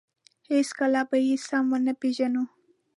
هېڅکله به یې سم ونه پېژنو.